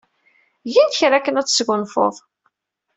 Gen kra akken ad tesgunfuḍ.